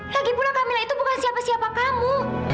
lagipula camilla itu bukan siapa siapa kamu